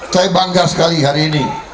saya bangga sekali hari ini